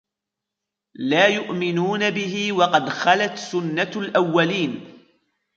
لَا يُؤْمِنُونَ بِهِ وَقَدْ خَلَتْ سُنَّةُ الْأَوَّلِينَ